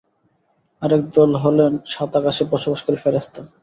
আরেক দল হলেন সাত আকাশে বসবাসকারী ফেরেশতা।